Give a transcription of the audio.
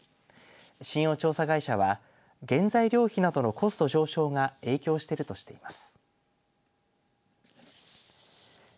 信用調査会社は原材料費などのコスト上昇が影響しているとしています。